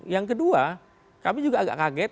yang kedua kami juga agak kaget